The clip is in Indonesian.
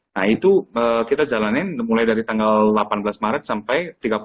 nah itu kita jalanin mulai dari tanggal delapan belas maret sampai tiga puluh